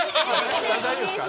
大丈夫ですか。